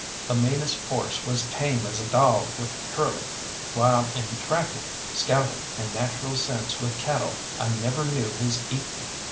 The meanest horse was tame as a dog with Curly, while in tracking, scouting, and natural sense with cattle I never knew his equal.